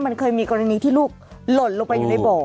มันเคยมีกรณีที่ลูกหล่นลงไปอยู่ในบ่อ